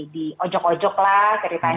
di ojok ojok lah ceritanya